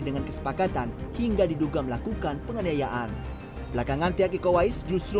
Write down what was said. dengan kesepakatan hingga diduga melakukan penganiayaan belakangan tiap iko wais justru